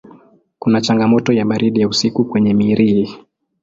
Kuna changamoto ya baridi ya usiku kwenye Mirihi.